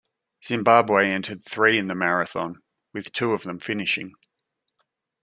Zimbabwe entered three in the marathon, with two of them finishing.